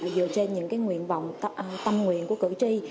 dựa trên những cái nguyện vọng tâm nguyện của cự tri